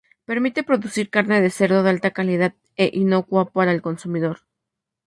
Permite producir carne de cerdo de alta calidad e inocua para el consumidor.